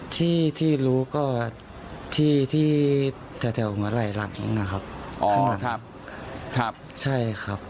ที่ที่รู้ก็ที่ที่แถวหัวไหล่หลังนะครับอ๋อครับครับใช่ครับ